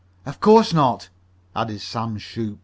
"Of course not," added Sam Shoop.